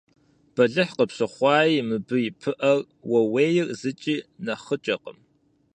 Бэлыхь къыпщыхъуаи мыбы и пыӀэр – ууейр зыкӀи нэхъыкӀэкъым.